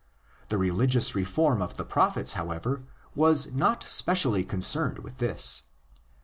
'' The religious reform of the prophets, however, was not specially concerned with this.